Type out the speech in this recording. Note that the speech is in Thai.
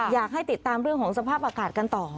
อยากให้ติดตามเรื่องของสภาพอากาศกันต่อ